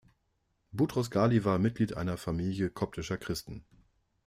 Boutros-Ghali war Mitglied einer Familie koptischer Christen.